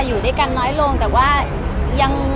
อยู่ด้วยกันน้อยลงแต่ว่ายัง